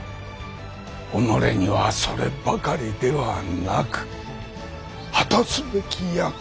己にはそればかりではなく果たすべき役目がある。